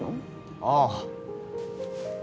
ああ。